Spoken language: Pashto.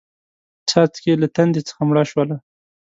څاڅکې له تندې څخه مړه شوله